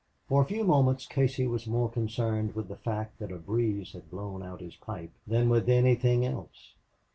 For a few moments Casey was more concerned with the fact that a breeze had blown out his pipe than with anything else.